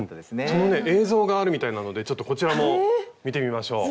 そのね映像があるみたいなのでちょっとこちらも見てみましょう。